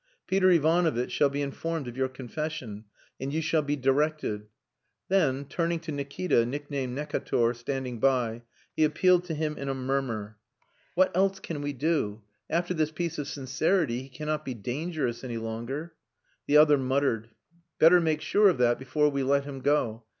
"Peter Ivanovitch shall be informed of your confession and you shall be directed...." Then, turning to Nikita, nicknamed Necator, standing by, he appealed to him in a murmur "What else can we do? After this piece of sincerity he cannot be dangerous any longer." The other muttered, "Better make sure of that before we let him go.